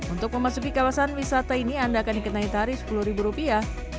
untuk memasuki kawasan wisata ini anda akan dikenai tarif sepuluh ribu rupiah